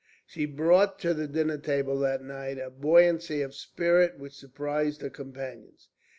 She brought to the dinner table that night a buoyancy of spirit which surprised her companions.